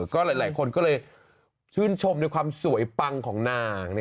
ก็หลายคนก็เลยชื่นชมในความสวยปังของนาง